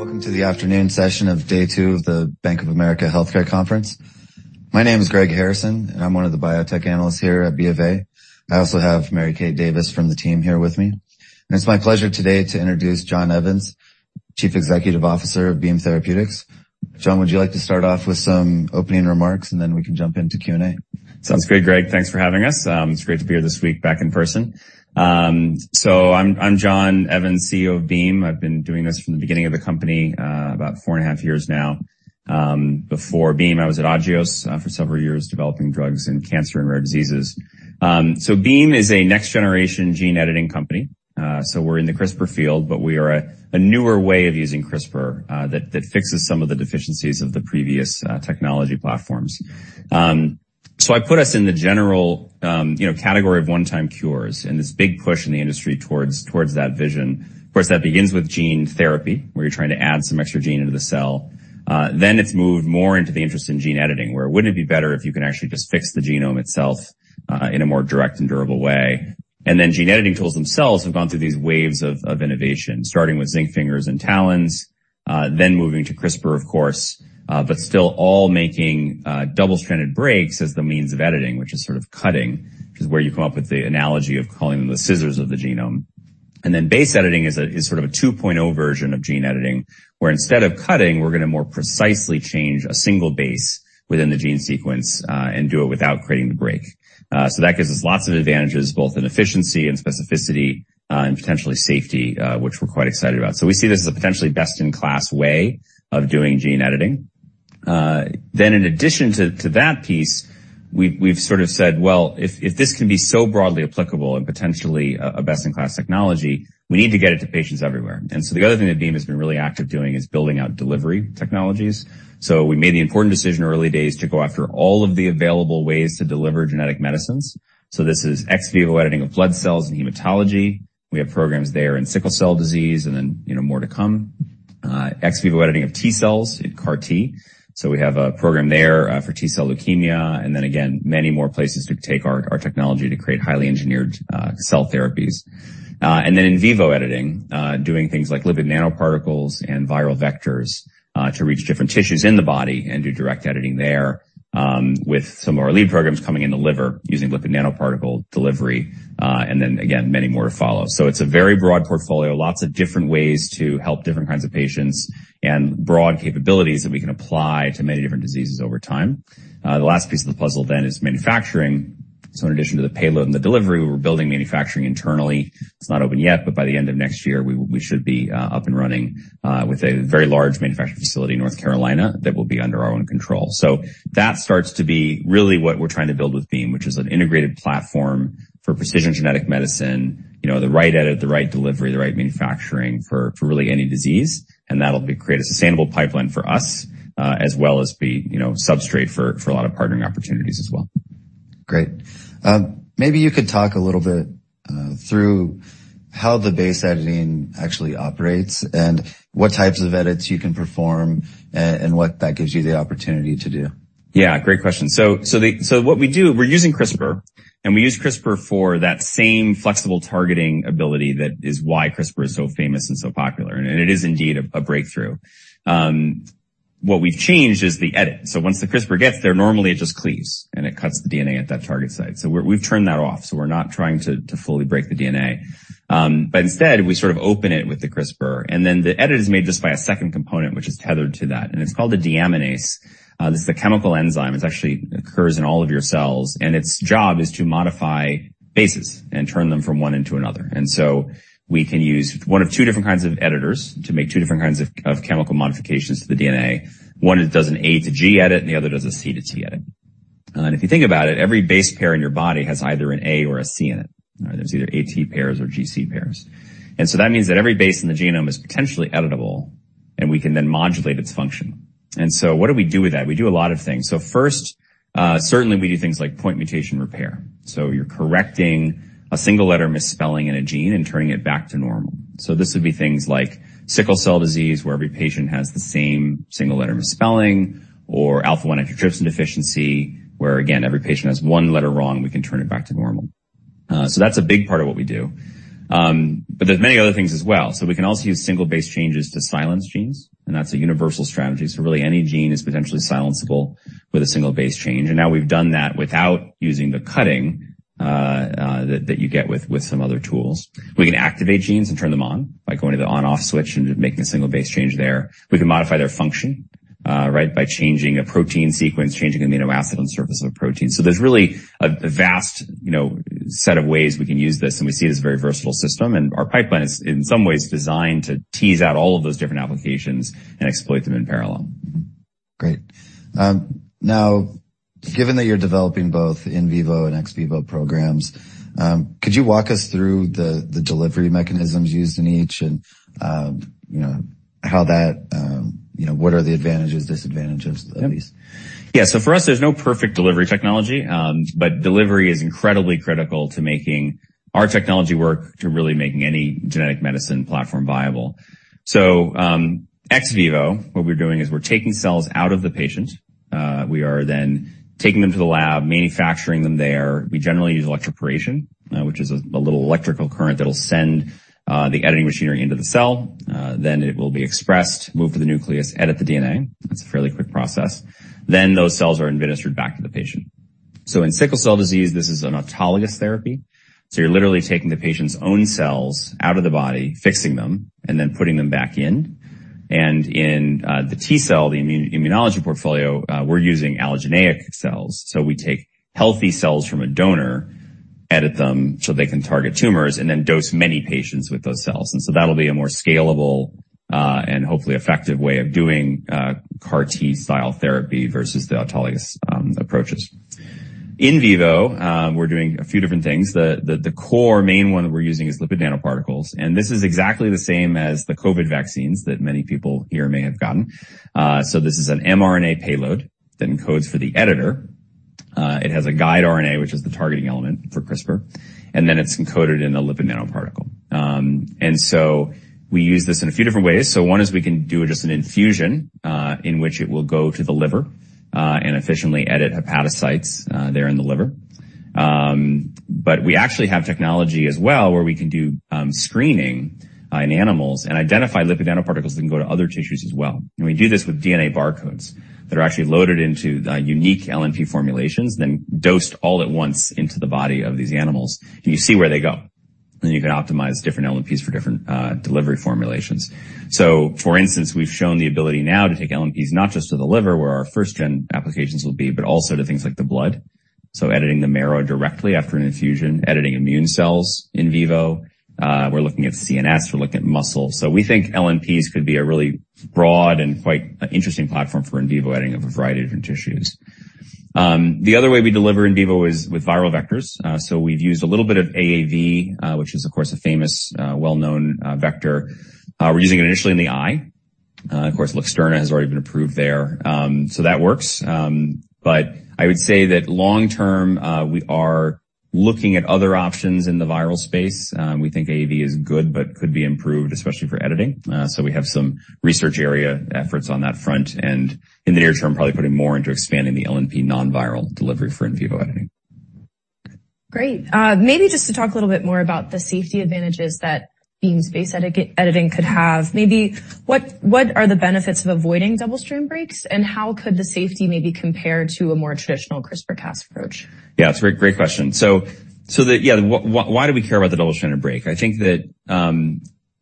Welcome to the afternoon session of day two of the Bank of America Healthcare Conference. My name is Greg Harrison, and I'm one of the biotech analysts here at BofA. I also have Mary Kate Davis from the team here with me. It's my pleasure today to introduce John Evans, Chief Executive Officer of Beam Therapeutics. John, would you like to start off with some opening remarks, and then we can jump into Q&A? Sounds great, Greg. Thanks for having us. It's great to be here this week back in person. I'm John Evans, CEO of Beam. I've been doing this from the beginning of the company, about 4.5 years now. Before Beam, I was at Agios for several years, developing drugs in cancer and rare diseases. Beam is a next-generation gene editing company. We're in the CRISPR field, but we are a newer way of using CRISPR that fixes some of the deficiencies of the previous technology platforms. I put us in the general you know category of one-time cures, and this big push in the industry towards that vision. Of course, that begins with gene therapy, where you're trying to add some extra gene into the cell. It's moved more into the interest in gene editing, where wouldn't it be better if you could actually just fix the genome itself in a more direct and durable way. Gene editing tools themselves have gone through these waves of innovation, starting with zinc fingers and TALENs, then moving to CRISPR, of course, but still all making double-strand breaks as the means of editing, which is sort of cutting, which is where you come up with the analogy of calling them the scissors of the genome. Base editing is sort of a 2.0 version of gene editing, where instead of cutting, we're gonna more precisely change a single base within the gene sequence and do it without creating the break. That gives us lots of advantages, both in efficiency and specificity, and potentially safety, which we're quite excited about. We see this as a potentially best-in-class way of doing gene editing. In addition to that piece, we've sort of said, "Well, if this can be so broadly applicable and potentially a best-in-class technology, we need to get it to patients everywhere." The other thing that Beam has been really active doing is building out delivery technologies. We made the important decision early days to go after all of the available ways to deliver genetic medicines. This is ex vivo editing of blood cells and hematology. We have programs there in sickle cell disease and then, you know, more to come. Ex vivo editing of T-cells in CAR T. We have a program there for T-cell leukemia, and then again, many more places to take our technology to create highly engineered cell therapies. Then in vivo editing, doing things like lipid nanoparticles and viral vectors to reach different tissues in the body and do direct editing there, with some of our lead programs coming in the liver using lipid nanoparticle delivery, and then again, many more to follow. It's a very broad portfolio, lots of different ways to help different kinds of patients, and broad capabilities that we can apply to many different diseases over time. The last piece of the puzzle then is manufacturing. In addition to the payload and the delivery, we're building manufacturing internally. It's not open yet, but by the end of next year, we should be up and running with a very large manufacturing facility in North Carolina that will be under our own control. That starts to be really what we're trying to build with Beam, which is an integrated platform for precision genetic medicine, you know, the right edit, the right delivery, the right manufacturing for really any disease. That'll create a sustainable pipeline for us, as well as be, you know, substrate for a lot of partnering opportunities as well. Great. Maybe you could talk a little bit through how the base editing actually operates and what types of edits you can perform and what that gives you the opportunity to do? Yeah, great question. What we do, we're using CRISPR, and we use CRISPR for that same flexible targeting ability that is why CRISPR is so famous and so popular. It is indeed a breakthrough. What we've changed is the edit. Once the CRISPR gets there, normally it just cleaves, and it cuts the DNA at that target site. We've turned that off, so we're not trying to fully break the DNA. Instead, we sort of open it with the CRISPR, and then the edit is made just by a second component which is tethered to that, and it's called a deaminase. This is a chemical enzyme. This actually occurs in all of your cells, and its job is to modify bases and turn them from one into another. We can use one of two different kinds of editors to make two different kinds of chemical modifications to the DNA. One does an A to G edit, and the other does a C to T edit. If you think about it, every base pair in your body has either an A or a C in it. All right. There's either AT pairs or GC pairs. That means that every base in the genome is potentially editable, and we can then modulate its function. What do we do with that? We do a lot of things. First, certainly we do things like point mutation repair. You're correcting a single letter misspelling in a gene and turning it back to normal. This would be things like sickle cell disease, where every patient has the same single letter misspelling, or alpha-1 antitrypsin deficiency, where again, every patient has one letter wrong. We can turn it back to normal. That's a big part of what we do. But there's many other things as well. We can also use single base changes to silence genes, and that's a universal strategy. Really, any gene is potentially silenceable with a single base change. Now we've done that without using the cutting that you get with some other tools. We can activate genes and turn them on by going to the on/off switch and making a single base change there. We can modify their function by changing a protein sequence, changing amino acid on the surface of a protein. There's really a vast, you know, set of ways we can use this, and we see it as a very versatile system. Our pipeline is, in some ways, designed to tease out all of those different applications and exploit them in parallel. Mm-hmm. Great. Now, given that you're developing both in vivo and ex vivo programs, could you walk us through the delivery mechanisms used in each and, you know, how that, you know, what are the advantages, disadvantages of these? Yeah. For us, there's no perfect delivery technology, but delivery is incredibly critical to making our technology work, to really making any genetic medicine platform viable. Ex vivo, what we're doing is we're taking cells out of the patient. We are then taking them to the lab, manufacturing them there. We generally use electroporation, which is a little electrical current that'll send the editing machinery into the cell. Then it will be expressed, move to the nucleus, edit the DNA. That's a fairly quick process. Then those cells are administered back to the patient. In sickle cell disease, this is an autologous therapy. You're literally taking the patient's own cells out of the body, fixing them, and then putting them back in. In the T-cell immunology portfolio, we're using allogeneic cells. We take healthy cells from a donor, edit them so they can target tumors, and then dose many patients with those cells. That'll be a more scalable, and hopefully effective way of doing, CAR-T style therapy versus the autologous, approaches. In vivo, we're doing a few different things. The core main one that we're using is lipid nanoparticles. This is exactly the same as the COVID vaccines that many people here may have gotten. This is an mRNA payload that encodes for the editor. It has a guide RNA, which is the targeting element for CRISPR, and then it's encoded in a lipid nanoparticle. We use this in a few different ways. One is we can do just an infusion, in which it will go to the liver, and efficiently edit hepatocytes, there in the liver. We actually have technology as well where we can do screening in animals and identify lipid nanoparticles that can go to other tissues as well. We do this with DNA barcodes that are actually loaded into the unique LNP formulations, then dosed all at once into the body of these animals, and you see where they go. You can optimize different LNPs for different delivery formulations. For instance, we've shown the ability now to take LNPs not just to the liver where our first-gen applications will be, but also to things like the blood. Editing the marrow directly after an infusion, editing immune cells in vivo, we're looking at CNS, we're looking at muscle. We think LNPs could be a really broad and quite interesting platform for in vivo editing of a variety of different tissues. The other way we deliver in vivo is with viral vectors. We've used a little bit of AAV, which is of course a famous, well-known vector. We're using it initially in the eye. Of course, LUXTURNA has already been approved there. That works. But I would say that long term, we are looking at other options in the viral space. We think AAV is good, but could be improved, especially for editing. We have some research area efforts on that front, and in the near term, probably putting more into expanding the LNP non-viral delivery for in vivo editing. Great. Maybe just to talk a little bit more about the safety advantages that Beam's base editing could have. Maybe what are the benefits of avoiding double-strand breaks? How could the safety maybe compare to a more traditional CRISPR-Cas approach? Yeah, it's a great question. Why do we care about the double-strand break? I think that,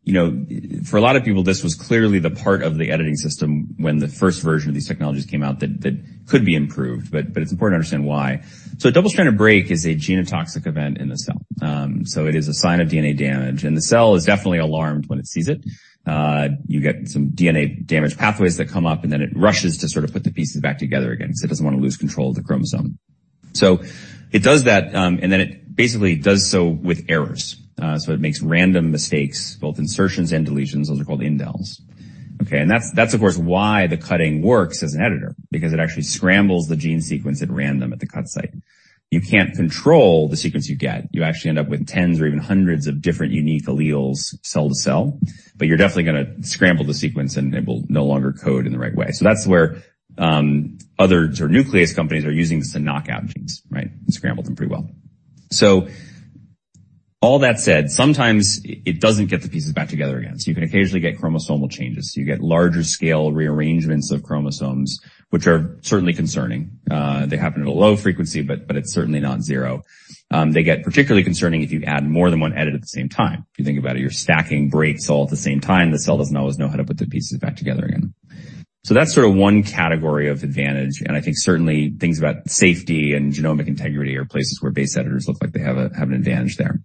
you know, for a lot of people, this was clearly the part of the editing system when the first version of these technologies came out that could be improved, but it's important to understand why. A double-strand break is a genotoxic event in the cell. It is a sign of DNA damage, and the cell is definitely alarmed when it sees it. You get some DNA damage pathways that come up, and then it rushes to sort of put the pieces back together again 'cause it doesn't wanna lose control of the chromosome. It does that, and then it basically does so with errors. It makes random mistakes, both insertions and deletions. Those are called indels. That's of course why the cutting works as an editor because it actually scrambles the gene sequence at random at the cut site. You can't control the sequence you get. You actually end up with tens or even hundreds of different unique alleles cell to cell, but you're definitely gonna scramble the sequence, and it will no longer code in the right way. That's where other sort of nuclease companies are using this to knock out genes, right? Scramble them pretty well. All that said, sometimes it doesn't get the pieces back together again. You can occasionally get chromosomal changes. You get larger scale rearrangements of chromosomes, which are certainly concerning. They happen at a low frequency, but it's certainly not zero. They get particularly concerning if you add more than one edit at the same time. If you think about it, you're stacking breaks all at the same time. The cell doesn't always know how to put the pieces back together again. That's sort of one category of advantage, and I think certainly things about safety and genomic integrity are places where base editors look like they have an advantage there.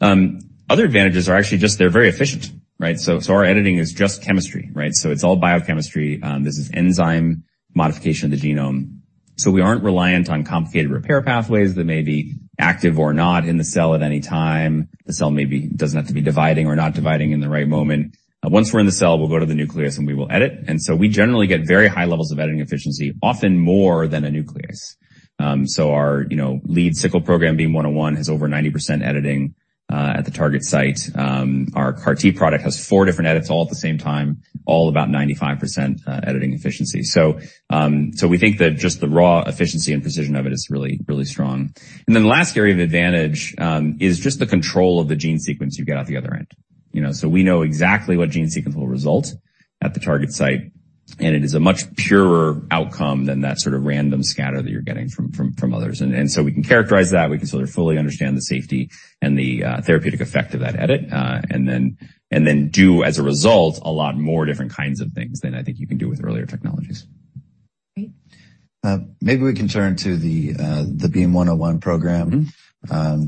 Other advantages are actually just they're very efficient, right? Our editing is just chemistry, right? It's all biochemistry. This is enzyme modification of the genome. We aren't reliant on complicated repair pathways that may be active or not in the cell at any time. The cell maybe doesn't have to be dividing or not dividing in the right moment. Once we're in the cell, we'll go to the nucleus, and we will edit. We generally get very high levels of editing efficiency, often more than a nuclease. Our, you know, lead sickle program, BEAM-101, has over 90% editing at the target site. Our CAR-T product has four different edits all at the same time, all about 95% editing efficiency. We think that just the raw efficiency and precision of it is really, really strong. The last area of advantage is just the control of the gene sequence you get out the other end. You know, we know exactly what gene sequence will result at the target site, and it is a much purer outcome than that sort of random scatter that you're getting from others. We can characterize that. We can sort of fully understand the safety and the therapeutic effect of that edit, and then do, as a result, a lot more different kinds of things than I think you can do with earlier technologies. Great. Maybe we can turn to the BEAM-101 program.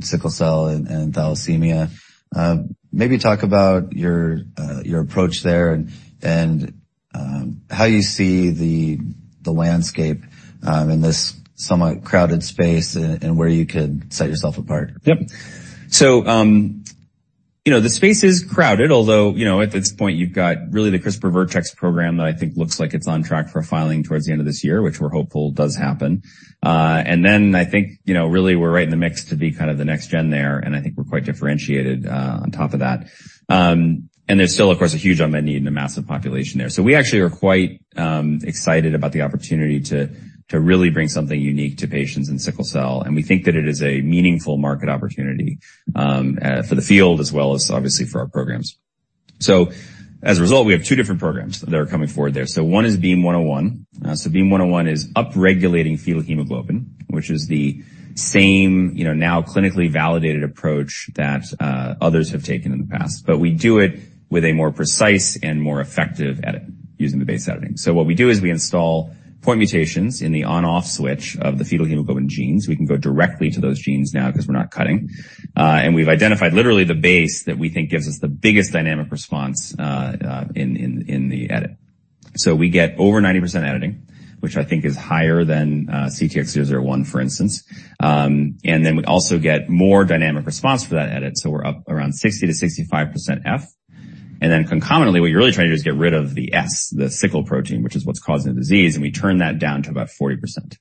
Sickle cell and thalassemia. Maybe talk about your approach there and how you see the landscape in this somewhat crowded space and where you could set yourself apart. Yep. You know, the space is crowded, although, you know, at this point you've got really the CRISPR Therapeutics/Vertex program that I think looks like it's on track for a filing towards the end of this year, which we're hopeful does happen. Then I think, you know, really we're right in the mix to be kind of the next gen there, and I think we're quite differentiated, on top of that. There's still, of course, a huge unmet need in the massive population there. We actually are quite excited about the opportunity to really bring something unique to patients in sickle cell, and we think that it is a meaningful market opportunity, for the field as well as obviously for our programs. As a result, we have two different programs that are coming forward there. One is BEAM-101. BEAM-101 is upregulating fetal hemoglobin, which is the same, you know, now clinically validated approach that others have taken in the past. But we do it with a more precise and more effective edit using the base editing. What we do is we install point mutations in the on/off switch of the fetal hemoglobin genes. We can go directly to those genes now 'cause we're not cutting. And we've identified literally the base that we think gives us the biggest dynamic response in the edit. We get over 90% editing, which I think is higher than CTX001, for instance. And then we also get more dynamic response for that edit, so we're up around 60%-65% F. Concomitantly, what you're really trying to do is get rid of the S, the sickle protein, which is what's causing the disease, and we turn that down to about 40%.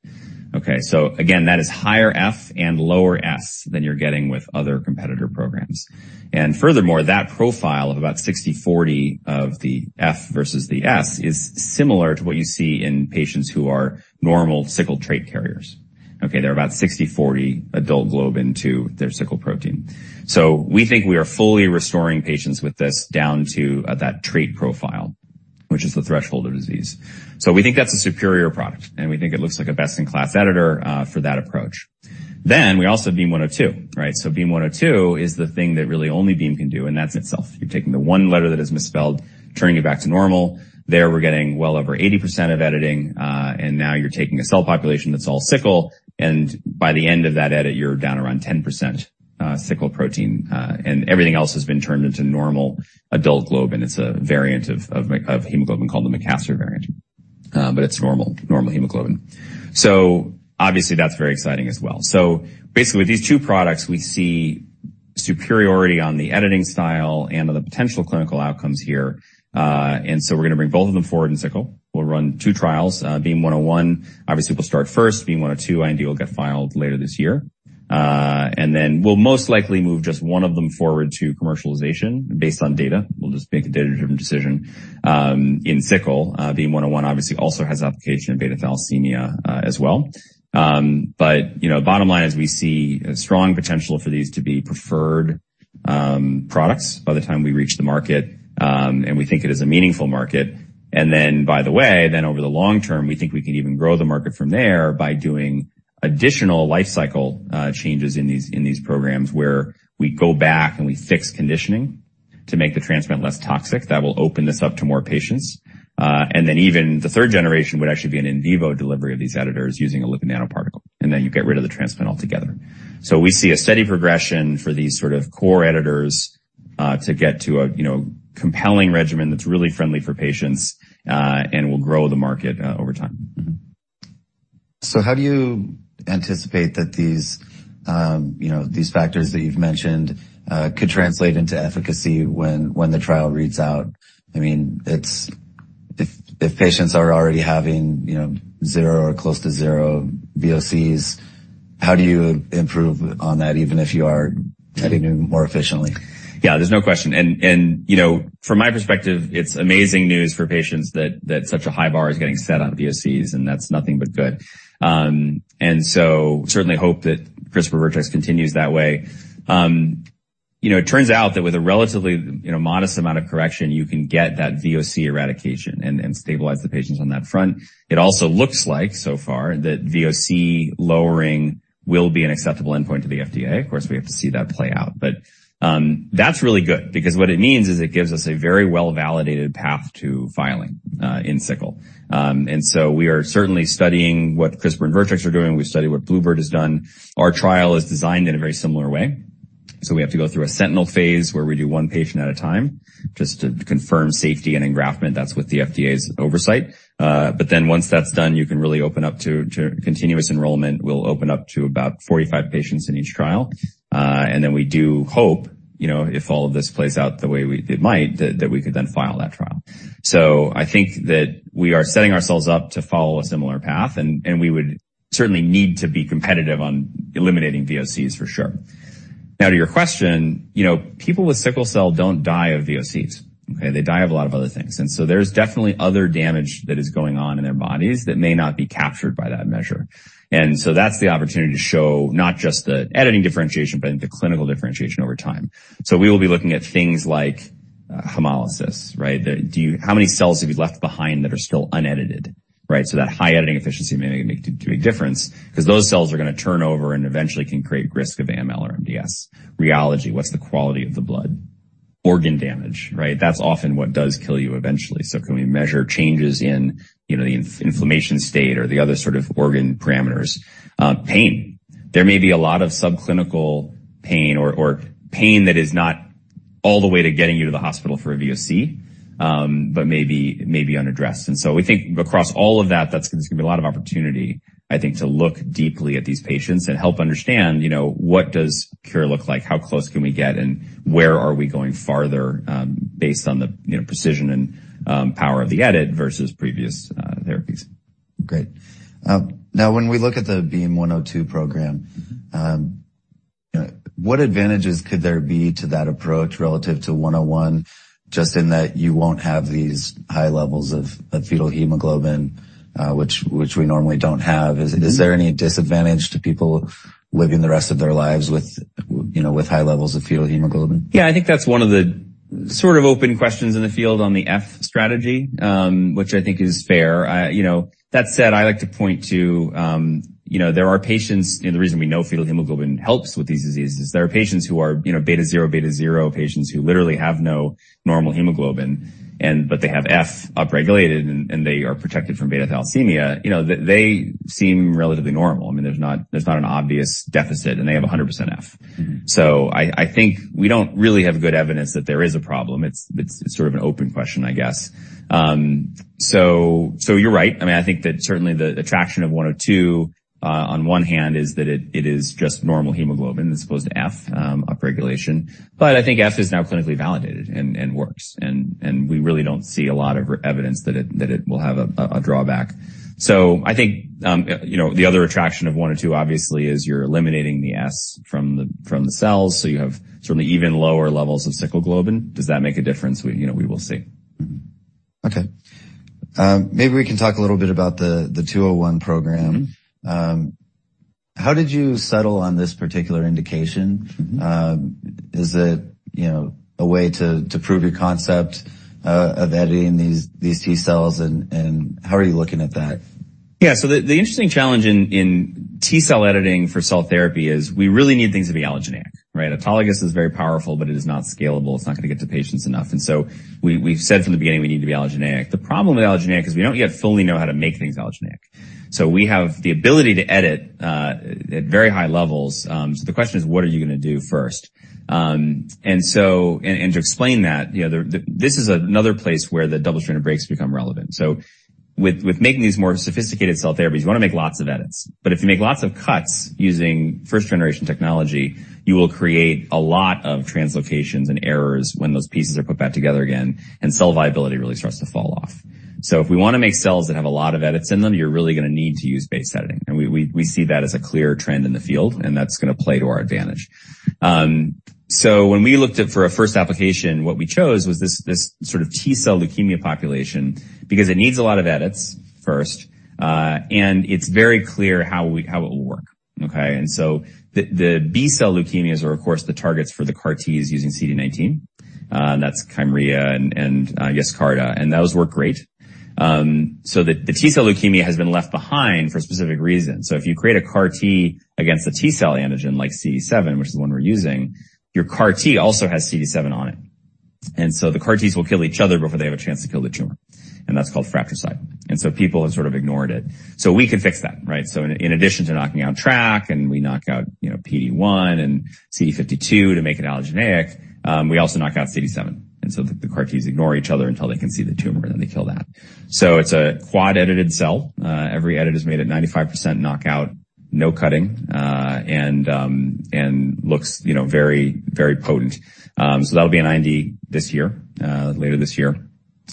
Okay. Again, that is higher F and lower S than you're getting with other competitor programs. Furthermore, that profile of about 60/40 of the F versus the S is similar to what you see in patients who are normal sickle trait carriers. Okay. They're about 60/40 adult globin to their sickle protein. We think we are fully restoring patients with this down to that trait profile, which is the threshold of disease. We think that's a superior product, and we think it looks like a best-in-class editor for that approach. We also have BEAM-102, right? Beam one oh two is the thing that really only Beam can do, and that's itself. You're taking the one letter that is misspelled, turning it back to normal. There, we're getting well over 80% of editing, and now you're taking a cell population that's all sickle, and by the end of that edit, you're down around 10%, sickle protein, and everything else has been turned into normal adult globin. It's a variant of hemoglobin called the Makassar variant. But it's normal hemoglobin. Obviously that's very exciting as well. Basically, these two products we see superiority on the editing style and on the potential clinical outcomes here. We're gonna bring both of them forward in sickle. We'll run two trials. Beam one oh one obviously will start first. BEAM-102 IND will get filed later this year. We'll most likely move just one of them forward to commercialization based on data. We'll just make a data-driven decision in sickle. BEAM-101 obviously also has application in beta thalassemia as well. You know, bottom line is we see a strong potential for these to be preferred products by the time we reach the market, and we think it is a meaningful market. Over the long term, we think we can even grow the market from there by doing additional life cycle changes in these programs, where we go back and we fix conditioning to make the transplant less toxic. That will open this up to more patients. even the third generation would actually be an in vivo delivery of these editors using a lipid nanoparticle, and then you get rid of the transplant altogether. We see a steady progression for these sort of core editors to get to a, you know, compelling regimen that's really friendly for patients and will grow the market over time. How do you anticipate that these, you know, these factors that you've mentioned, could translate into efficacy when the trial reads out? I mean, it's. If patients are already having, you know, zero or close to zero VOCs, how do you improve on that, even if you are editing more efficiently? Yeah, there's no question. You know, from my perspective, it's amazing news for patients that such a high bar is getting set on VOCs, and that's nothing but good. Certainly hope that CRISPR/Vertex continues that way. You know, it turns out that with a relatively modest amount of correction, you can get that VOC eradication and stabilize the patients on that front. It also looks like so far that VOC lowering will be an acceptable endpoint to the FDA. Of course, we have to see that play out. That's really good because what it means is it gives us a very well-validated path to filing in sickle. We are certainly studying what CRISPR and Vertex are doing. We've studied what bluebird bio has done. Our trial is designed in a very similar way, so we have to go through a sentinel phase where we do one patient at a time just to confirm safety and engraftment. That's with the FDA's oversight. Once that's done, continuous enrollment will open up to about 45 patients in each trial. We do hope, you know, if all of this plays out the way it might, that we could then file that trial. I think that we are setting ourselves up to follow a similar path, and we would certainly need to be competitive on eliminating VOCs for sure. Now to your question, you know, people with sickle cell don't die of VOCs, okay? They die of a lot of other things. There's definitely other damage that is going on in their bodies that may not be captured by that measure. That's the opportunity to show not just the editing differentiation, but the clinical differentiation over time. We will be looking at things like hemolysis, right? How many cells have you left behind that are still unedited, right? That high editing efficiency may make a big difference 'cause those cells are gonna turn over and eventually can create risk of AML or MDS. Rheology, what's the quality of the blood? Organ damage, right? That's often what does kill you eventually. Can we measure changes in, you know, the inflammation state or the other sort of organ parameters? Pain. There may be a lot of subclinical pain or pain that is not all the way to getting you to the hospital for a VOC, but maybe unaddressed. We think across all of that's gonna be a lot of opportunity, I think, to look deeply at these patients and help understand, you know, what does cure look like, how close can we get, and where are we going farther, based on the, you know, precision and power of the edit versus previous therapies. Great. Now when we look at the BEAM-102 program, what advantages could there be to that approach relative to BEAM-101, just in that you won't have these high levels of fetal hemoglobin, which we normally don't have? Is there any disadvantage to people living the rest of their lives with, you know, with high levels of fetal hemoglobin? Yeah, I think that's one of the sort of open questions in the field on the F strategy, which I think is fair. You know, that said, I like to point to, you know, and the reason we know fetal hemoglobin helps with these diseases, there are patients who are, you know, beta zero patients who literally have no normal hemoglobin, but they have F upregulated, and they are protected from beta thalassemia. You know, they seem relatively normal. I mean, there's not an obvious deficit, and they have 100% F. I think we don't really have good evidence that there is a problem. It's sort of an open question, I guess. You're right. I mean, I think that certainly the attraction of 102 on one hand is that it is just normal hemoglobin as opposed to F upregulation. But I think F is now clinically validated and works. We really don't see a lot of evidence that it will have a drawback. I think you know, the other attraction of 102 obviously is you're eliminating the S from the cells, so you have certainly even lower levels of sickle globin. Does that make a difference? You know, we will see. Okay. Maybe we can talk a little bit about the 201 program. How did you settle on this particular indication? Is it, you know, a way to prove your concept of editing these T cells, and how are you looking at that? Yeah. The interesting challenge in T-cell editing for cell therapy is we really need things to be allogeneic, right? Autologous is very powerful, but it is not scalable. It's not gonna get to patients enough. We've said from the beginning, we need to be allogeneic. The problem with allogeneic is we don't yet fully know how to make things allogeneic. We have the ability to edit at very high levels. The question is what are you gonna do first? To explain that, you know, this is another place where the double-strand breaks become relevant. With making these more sophisticated cell therapies, you wanna make lots of edits, but if you make lots of cuts using first generation technology, you will create a lot of translocations and errors when those pieces are put back together again, and cell viability really starts to fall off. If we wanna make cells that have a lot of edits in them, you're really gonna need to use base editing. We see that as a clear trend in the field, and that's gonna play to our advantage. When we looked at for a first application, what we chose was this sort of T-cell leukemia population because it needs a lot of edits first, and it's very clear how it will work, okay? The B-cell leukemias are of course the targets for the CAR-Ts using CD19, and that's Kymriah and I guess Yescarta, and those work great. The T-cell leukemia has been left behind for specific reasons. If you create a CAR-T against a T-cell antigen like CD7, which is the one we're using, your CAR-T also has CD7 on it. The CAR-Ts will kill each other before they have a chance to kill the tumor, and that's called fratricide. People have sort of ignored it. We can fix that, right? In addition to knocking out TRAC, and we knock out, you know, PD-1 and CD52 to make it allogeneic, we also knock out CD7. The CAR-Ts ignore each other until they can see the tumor, then they kill that. It's a quad-edited cell. Every edit is made at 95% knockout, no cutting, and looks, you know, very, very potent. That'll be an IND this year, later this year.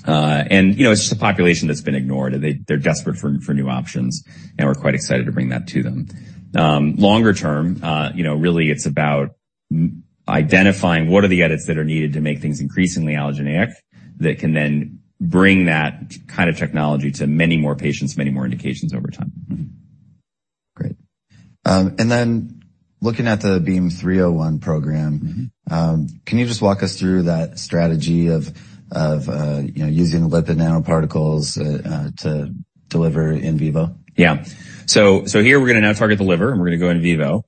You know, it's just a population that's been ignored. They're desperate for new options, and we're quite excited to bring that to them. Longer term, you know, really it's about identifying what are the edits that are needed to make things increasingly allogeneic that can then bring that kind of technology to many more patients, many more indications over time. Looking at the BEAM-301 program. Can you just walk us through that strategy of you know using lipid nanoparticles to deliver in vivo? Yeah. Here we're gonna now target the liver, and we're gonna go in vivo.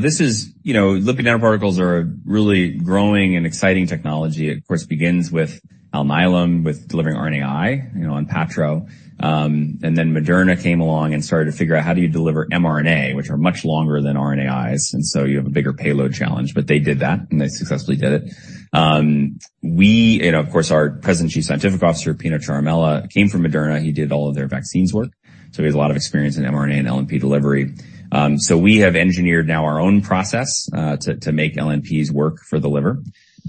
This is. You know, lipid nanoparticles are a really growing and exciting technology. It, of course, begins with Alnylam, with delivering RNAi, you know, on Onpattro. Moderna came along and started to figure out how do you deliver mRNA, which are much longer than RNAis, and so you have a bigger payload challenge. But they did that, and they successfully did it. We, you know, of course, our present Chief Scientific Officer, Pino Ciaramella, came from Moderna. He did all of their vaccines work, so he has a lot of experience in mRNA and LNP delivery. We have engineered now our own process to make LNPs work for the liver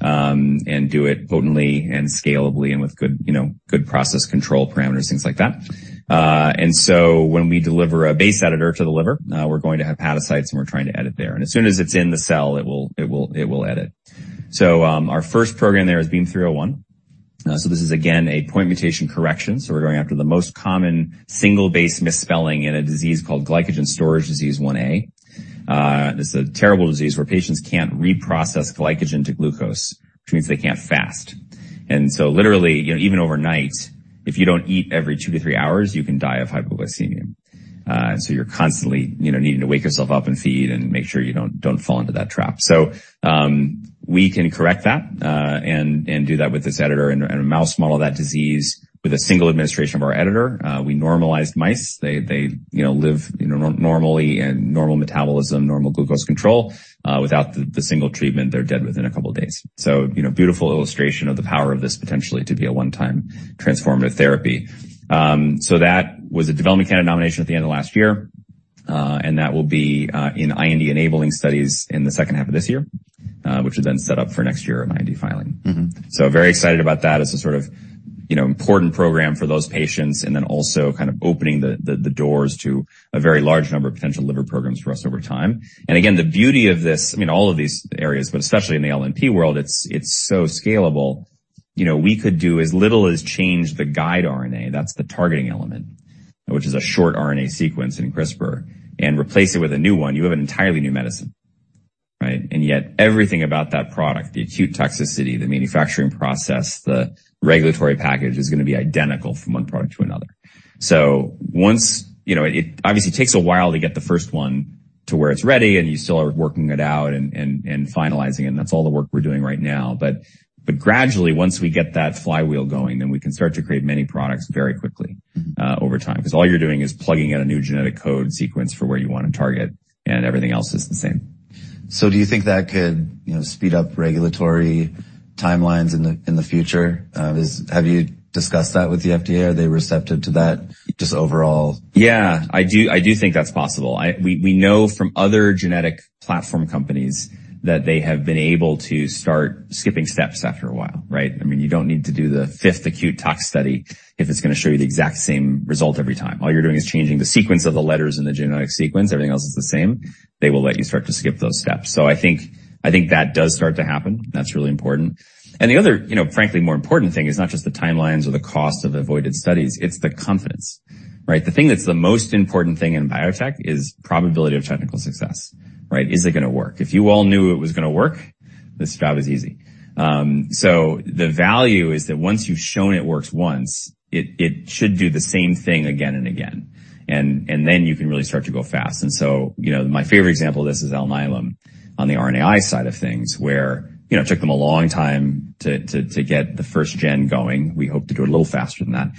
and do it potently and scalably and with good, you know, good process control parameters, things like that. When we deliver a base editor to the liver, we're going to hepatocytes and we're trying to edit there. As soon as it's in the cell, it will edit. Our first program there is BEAM-301. This is again, a point mutation correction, so we're going after the most common single base misspelling in a disease called glycogen storage disease type 1a. This is a terrible disease where patients can't reprocess glycogen to glucose, which means they can't fast. Literally, you know, even overnight, if you don't eat every 2-3 hours, you can die of hypoglycemia. You're constantly, you know, needing to wake yourself up and feed and make sure you don't fall into that trap. We can correct that, and do that with this editor and a mouse model of that disease with a single administration of our editor. We normalized mice. They, you know, live normally and normal metabolism, normal glucose control. Without the single treatment, they're dead within a couple of days. You know, beautiful illustration of the power of this potentially to be a one-time transformative therapy. That was a development candidate nomination at the end of last year, and that will be in IND-enabling studies in the second half of this year, which is then set up for next year, an IND filing. Very excited about that as a sort of, you know, important program for those patients, and then also kind of opening the doors to a very large number of potential liver programs for us over time. Again, the beauty of this, I mean, all of these areas, but especially in the LNP world, it's so scalable. You know, we could do as little as change the guide RNA, that's the targeting element, which is a short RNA sequence in CRISPR, and replace it with a new one. You have an entirely new medicine, right? Yet everything about that product, the acute toxicity, the manufacturing process, the regulatory package, is gonna be identical from one product to another. You know, it obviously takes a while to get the first one to where it's ready, and you still are working it out and finalizing it, and that's all the work we're doing right now. Gradually, once we get that flywheel going, then we can start to create many products very quickly. Over time, 'cause all you're doing is plugging in a new genetic code sequence for where you wanna target, and everything else is the same. Do you think that could, you know, speed up regulatory timelines in the, in the future? Have you discussed that with the FDA? Are they receptive to that just overall? Yeah, I do think that's possible. We know from other genetic platform companies that they have been able to start skipping steps after a while, right? I mean, you don't need to do the fifth acute tox study if it's gonna show you the exact same result every time. All you're doing is changing the sequence of the letters in the genetic sequence. Everything else is the same. They will let you start to skip those steps. I think that does start to happen. That's really important. The other, you know, frankly, more important thing is not just the timelines or the cost of avoided studies, it's the confidence, right? The thing that's the most important thing in biotech is probability of technical success, right? Is it gonna work? If you all knew it was gonna work, this job is easy. The value is that once you've shown it works once, it should do the same thing again and again, and then you can really start to go fast. You know, my favorite example of this is Alnylam on the RNAi side of things where, you know, it took them a long time to get the first gen going. We hope to do it a little faster than that.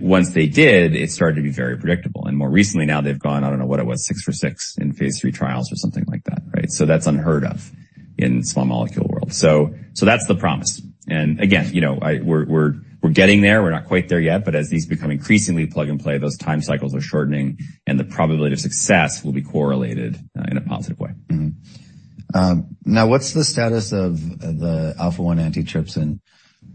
Once they did, it started to be very predictable. More recently now they've gone, I don't know what it was, 6 for 6 in phase 3 trials or something like that, right? That's the promise. Again, you know, we're getting there. We're not quite there yet, but as these become increasingly plug-and-play, those time cycles are shortening, and the probability of success will be correlated in a positive way. Now, what's the status of the alpha-1 antitrypsin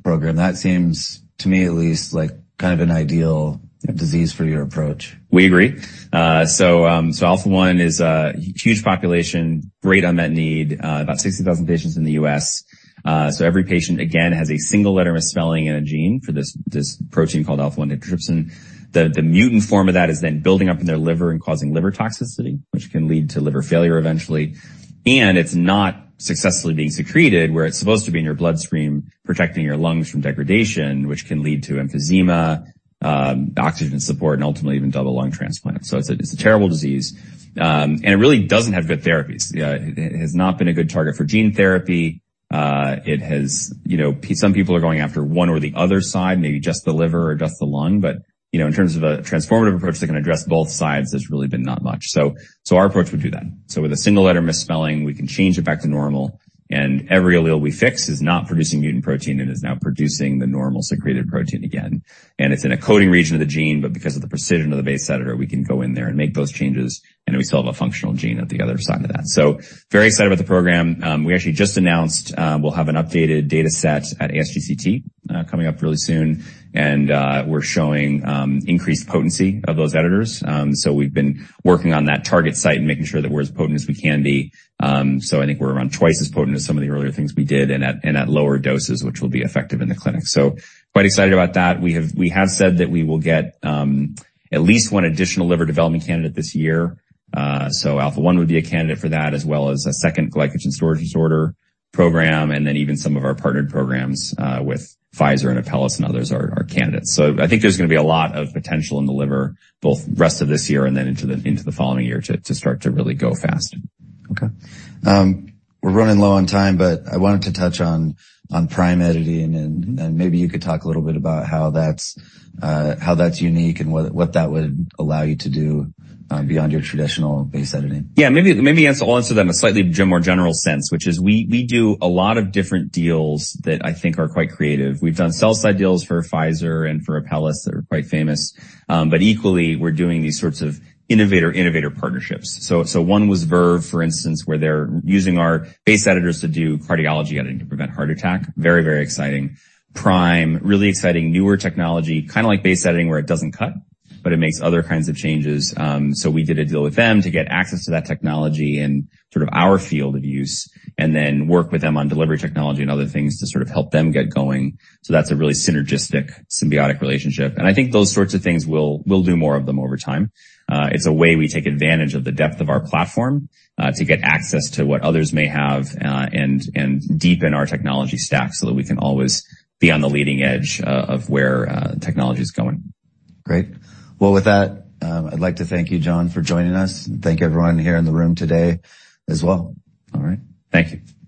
program? That seems, to me at least, like kind of an ideal disease for your approach. We agree. Alpha-1 is a huge population, great unmet need, about 60,000 patients in the US. Every patient, again, has a single letter misspelling in a gene for this protein called alpha-1 antitrypsin. The mutant form of that is then building up in their liver and causing liver toxicity, which can lead to liver failure eventually. It's not successfully being secreted, where it's supposed to be in your bloodstream, protecting your lungs from degradation, which can lead to emphysema, oxygen support, and ultimately even double lung transplant. It's a terrible disease, and it really doesn't have good therapies. It has not been a good target for gene therapy. You know, some people are going after one or the other side, maybe just the liver or just the lung. You know, in terms of a transformative approach that can address both sides, there's really been not much. Our approach would do that. With a single letter misspelling, we can change it back to normal, and every allele we fix is not producing mutant protein and is now producing the normal secreted protein again. It's in a coding region of the gene, but because of the precision of the base editor, we can go in there and make those changes, and then we still have a functional gene at the other side of that. Very excited about the program. We actually just announced we'll have an updated data set at ASTCT coming up really soon, and we're showing increased potency of those editors. We've been working on that target site and making sure that we're as potent as we can be. I think we're around twice as potent as some of the earlier things we did and at lower doses, which will be effective in the clinic. Quite excited about that. We have said that we will get at least one additional liver development candidate this year. Alpha-1 would be a candidate for that, as well as a second glycogen storage disorder program, and then even some of our partnered programs with Pfizer and Apellis and others are candidates. I think there's gonna be a lot of potential in the liver, both rest of this year and then into the following year to start to really go fast. Okay. We're running low on time, but I wanted to touch on prime editing, and maybe you could talk a little bit about how that's unique and what that would allow you to do beyond your traditional base editing. Yeah. Maybe I'll answer them in a slightly more general sense, which is we do a lot of different deals that I think are quite creative. We've done sell-side deals for Pfizer and for Apellis that are quite famous. Equally, we're doing these sorts of innovator-innovator partnerships. One was Verve, for instance, where they're using our base editors to do cardiology editing to prevent heart attack. Very exciting. Prime, really exciting, newer technology, kinda like base editing, where it doesn't cut, but it makes other kinds of changes. We did a deal with them to get access to that technology in sort of our field of use and then work with them on delivery technology and other things to sort of help them get going. That's a really synergistic, symbiotic relationship, and I think those sorts of things, we'll do more of them over time. It's a way we take advantage of the depth of our platform to get access to what others may have, and deepen our technology stack so that we can always be on the leading edge of where technology is going. Great. Well, with that, I'd like to thank you, John, for joining us, and thank everyone here in the room today as well. All right. Thank you.